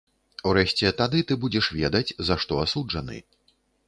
Урэшце, тады ты будзеш ведаць, за што асуджаны.